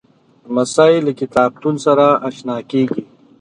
لمسی له کتابتون سره اشنا کېږي.